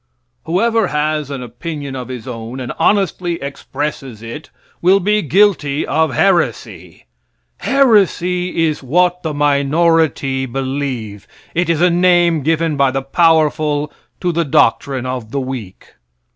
Whoever has an opinion of his own, and honestly expresses it, will be guilty of heresy. Heresy is what the minority believe; it is a name given by the powerful to the doctrine of the weak.